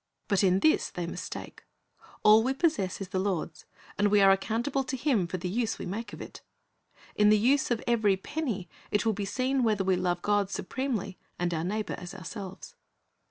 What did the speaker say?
But in this they mistake. All we possess is the Lord's, and we are accountable to Him for the use we make of it. In the use of every penny it will be seen whether we love God supremely and our neighbor as ourselves.